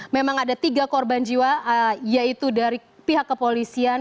memang ada tiga korban jiwa yaitu dari pihak kepolisian